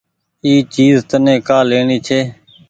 اي چيز تني ڪآ ليڻي ڇي۔